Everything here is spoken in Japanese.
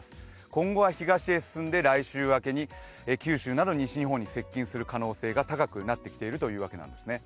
今後は東へ進んで来週明けに九州など西日本に接近する可能性が高くなってきているということなんですね。